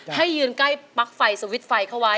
ให้ยืนใกล้ปลั๊กไฟสวิตช์ไฟเข้าไว้